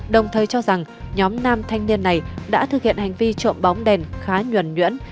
đồng thời cho rằng nhóm nam thanh niên này đã thực hiện hành vi trộm bóng đèn khá nhuẩn nhuyễn